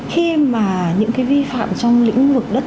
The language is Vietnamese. khi mà những cái vi phạm trong lĩnh vực đất